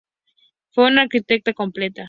Fue una arquitecta completa.".